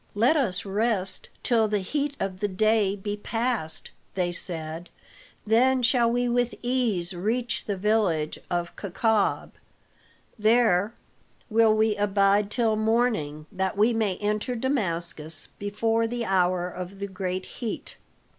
"Let us rest till the heat of the day be past," they said, "then shall we with ease reach the village of Kaukab; there will we abide till morning, that we may enter Damascus before the hour of the great heat."